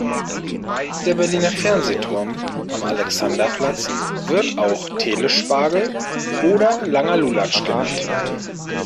Der Berliner Fernsehturm am Alexanderplatz wird auch Telespagel oder langer Lulatsch genannt.